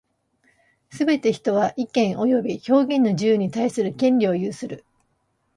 すべて人は、意見及び表現の自由に対する権利を有する。